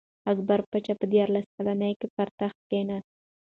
اکبر پاچا په دیارلس کلنۍ کي پر تخت کښېناست.